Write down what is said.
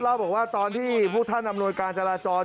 เล่าบอกว่าตอนที่พวกท่านอำนวยการจราจร